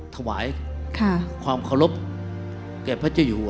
ถวายความเคารพ